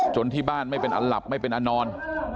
ที่บ้านไม่เป็นอันหลับไม่เป็นอันนอน